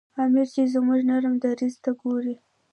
امیر چې زموږ نرم دریځ ته ګوري.